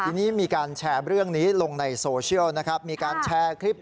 ทีนี้มีการแชร์เรื่องนี้ลงในโซเชียลนะครับมีการแชร์คลิป